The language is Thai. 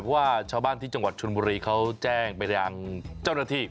ว่าชาวบ้านที่จังหวัดชนบุรีเขาแจ้งไปยังเจ้าหน้าที่